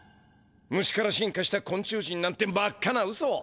ムシから進化した昆虫人なんて真っ赤なウソ。